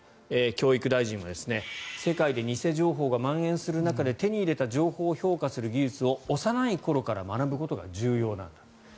教育大臣は世界で偽情報がまん延する中で手に入れた情報を評価する技術を幼い頃から学ぶことは重要なんだと。